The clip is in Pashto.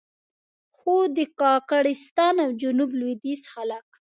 خو د کاکړستان او جنوب لوېدیځ خلک.